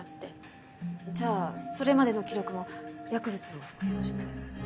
じゃあそれまでの記録も薬物を服用して？